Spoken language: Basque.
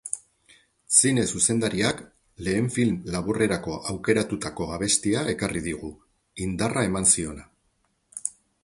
Zine zuzendariak lehen film laburrerako aukeratutako abestia ekarri digu, indarra eman ziona.